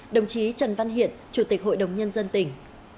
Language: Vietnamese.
đồng chí trần văn hiện chủ tịch hội đồng nhân dân tỉnh